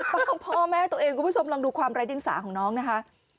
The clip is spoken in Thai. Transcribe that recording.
พ่อแม่ของพ่อแม่ตัวเองคุณผู้ชมลองดูความไร้ดิงสาของน้องนะคะ